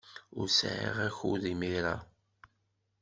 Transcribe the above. Ur sɛiɣ akud imir-a.